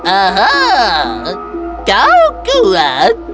oh kau kuat